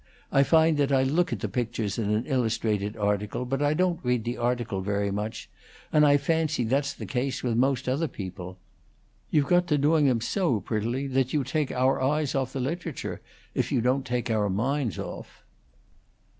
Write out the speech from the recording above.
I find that I look at the pictures in an illustrated article, but I don't read the article very much, and I fancy that's the case with most other people. You've got to doing them so prettily that you take our eyes off the literature, if you don't take our minds off."